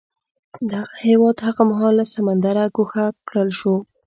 دغه هېواد هغه مهال له سمندره ګوښه کړل شو.